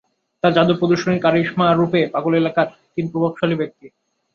তার যাদু প্রদর্শনীর কারিশমা আর রূপে পাগল এলাকার তিন প্রভাবশালী ব্যক্তি।